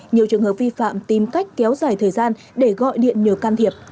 nhiều trường hợp vi phạm tìm cách kéo dài thời gian để gọi điện nhờ can thiệp